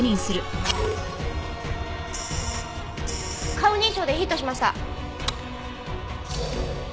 顔認証でヒットしました！